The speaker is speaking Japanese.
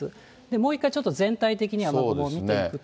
もう一回、ちょっと全体的に雨雲を見ていくと。